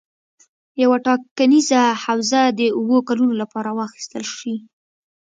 یوه ټاکنیزه حوزه د اووه کلونو لپاره واخیستل شي.